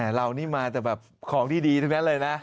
เรานี่มาแต่แบบของดีแน่เลยนะ